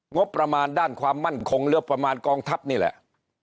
งบประมาณด้านความมั่นคงเหลือประมาณกองทัพนี่แหละ